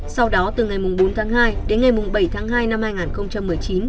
sau đó từ ngày bốn tháng hai đến ngày bảy tháng hai năm hai nghìn một mươi chín